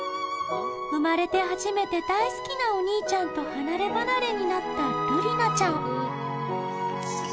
生まれて初めて大好きなお兄ちゃんと離れ離れになったるりなちゃん